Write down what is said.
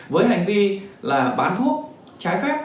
với hành vi là bán thuốc trái phép